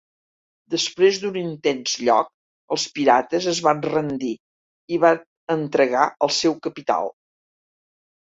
Després d'un intens lloc, els pirates es van rendir i van entregar el seu capital.